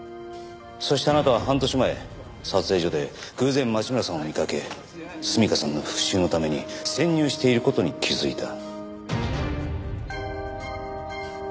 そしてあなたは半年前撮影所で偶然町村さんを見かけ純夏さんの復讐のために潜入している事に気づいた。